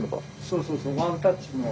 そうそうそうワンタッチの。